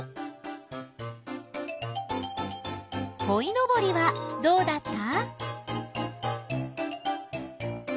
こいのぼりはどうだった？